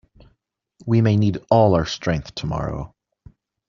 We may need all our strength tomorrow.